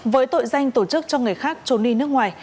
với tội danh tổ chức cho người khác trốn đi nước ngoài